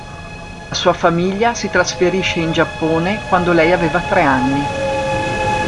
La sua famiglia si trasferisce in Giappone quando lei aveva tre anni.